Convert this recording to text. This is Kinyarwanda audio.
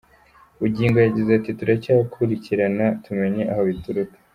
Bugingo yagize ati “Turacyakurikirana tumenye aho bituruka.